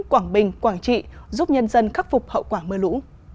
quảng bình quảng trị giúp nhân dân khắc phục hậu quả mưa lũ